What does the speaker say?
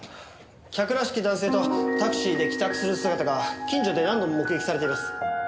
客らしき男性とタクシーで帰宅する姿が近所で何度も目撃されています。